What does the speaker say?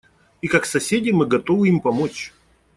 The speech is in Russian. И как соседи мы готовы им помочь.